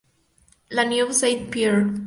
La Neuville-Saint-Pierre